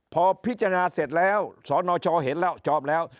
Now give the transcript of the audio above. พอพิจารณาเสร็จแล้วสนชเห็นแล้วจอมแล้ว